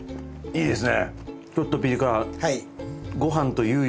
いいですね。